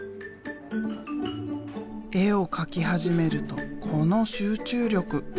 絵を描き始めるとこの集中力。